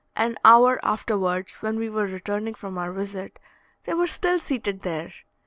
An hour afterwards, when we were returning from our visit, they were still seated there.